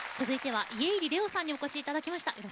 続いては家入レオさんにお越しいただきました。